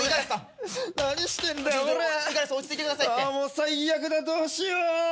最悪だどうしよう。